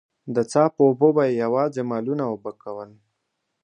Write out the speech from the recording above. د څاه په اوبو به يې يواځې مالونه اوبه کول.